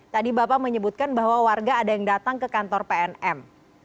tadi bapak menyebutkan bahwa warga ada yang datang ke kantor pnm